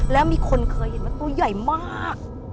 แล้วมีคนเคยเห็นว่าตัวใหญ่มาก